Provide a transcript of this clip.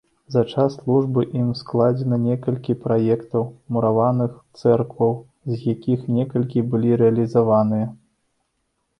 За час службы ім складзена некалькі праектаў мураваных цэркваў, з якіх некалькі былі рэалізаваныя.